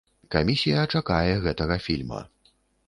Камісія чакае гэтага фільма.